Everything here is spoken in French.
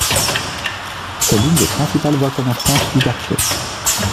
C'est l'une des deux principales voies commerçantes du quartier.